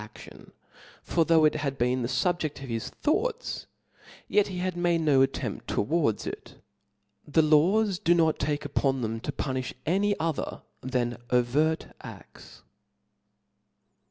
This was a moft tyrannical aftion ; for though it had been the fubjeft of his thoughts, yet he had made no attempt * towards it. The laws do not take upon them to punifh any other than overt afts.